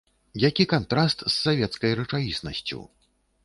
Які кантраст з савецкай рэчаіснасцю.